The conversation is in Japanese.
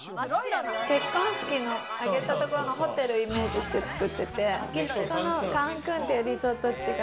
結婚式を挙げたホテルをイメージして作ってて、メキシコのカンクンっていうリゾート地。